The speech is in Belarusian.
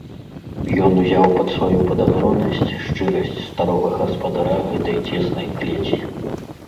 Ён узяў пад сваю падазронасць шчырасць старога гаспадара гэтай цеснай клеці.